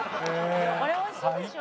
これは美味しいでしょ。